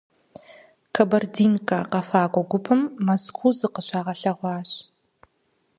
«Кабардинкэ» къэфакӏуэ гупым Мэзкуу зыкъыщагъэлъэгъуащ.